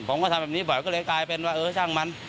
ผมก็ทำแบบนี้บ่อยก็เลยกลายเป็นว่าเออช่างมัน